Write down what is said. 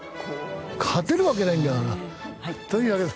勝てるわけないんだよな。というわけで。